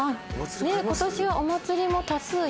今年はお祭りも多数やるって。